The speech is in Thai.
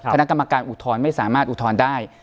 คณะกรรมการอุทธรณ์ไม่สามารถอุทธรณ์ได้